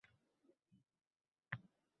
Mudofaa vazirligi